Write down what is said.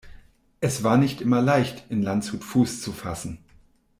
Es war nicht immer leicht, in Landshut Fuß zu fassen.